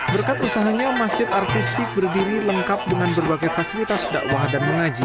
berkat usahanya masjid artistik berdiri lengkap dengan berbagai fasilitas dakwah dan mengaji